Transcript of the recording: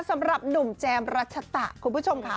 สำหรับหนุ่มแจมรัชตะคุณผู้ชมค่ะ